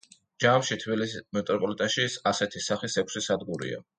ჯამში თბილისის მეტროპოლიტენში, ასეთი სახის ექვსი სადგურია.